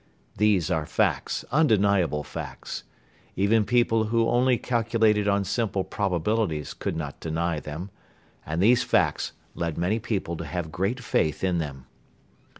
These are facts, undeniable facts. Even people who only calculated on simple probabilities could not deny them. And these facts led many people to have great faith in them.